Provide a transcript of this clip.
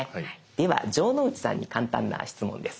では城之内さんに簡単な質問です。